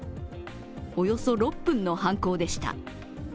およそ６分の犯行でした。